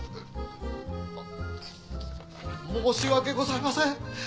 申し訳ございません。